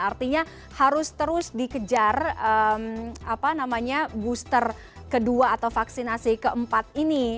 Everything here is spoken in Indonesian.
artinya harus terus dikejar booster kedua atau vaksinasi keempat ini